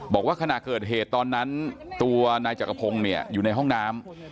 บอกว่าขณะเกิดเหตุตอนนั้นตัวนายจักรพงศ์เนี่ยอยู่ในห้องน้ำ